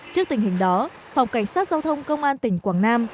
trước tình hình đó phòng cảnh sát giao thông công an tỉnh quảng nam